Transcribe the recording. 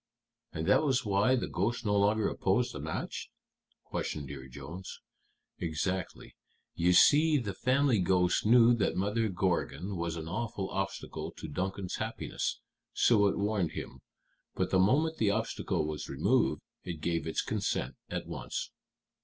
"And that was why the ghost no longer opposed the match?" questioned Dear Jones. "Exactly. You see, the family ghost knew that Mother Gorgon was an awful obstacle to Duncan's happiness, so it warned him. But the moment the obstacle was removed, it gave its consent at once."